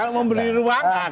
kita tambah loh